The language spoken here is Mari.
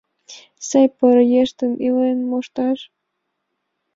Сай поро еш ден илен мошташ